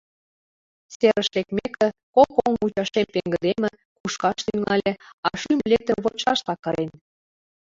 Серыш лекмеке, кок оҥ мучашем пеҥгыдеме, кушкаш тӱҥале, а шӱм лектын вочшашла кырен.